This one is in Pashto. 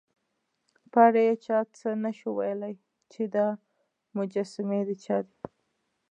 په اړه یې چا څه نه شوای ویلای، چې دا مجسمې د چا دي.